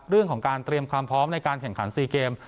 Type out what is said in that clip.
เรื่องของการเตรียมความพร้อมในการแข่งขัน๔เกม